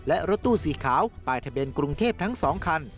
และรถตู้สีขาวปลายทะเบียนกรุงเทพทั้ง๒คัน